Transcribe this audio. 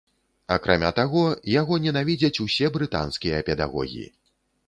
Акрамя таго, яго ненавідзяць усе брытанскія педагогі.